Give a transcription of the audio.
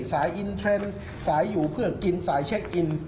อินเทรนด์สายอยู่เพื่อกินสายเช็คอิน